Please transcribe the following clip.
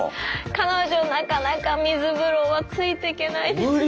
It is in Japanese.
彼女なかなか水風呂はついてけないですね。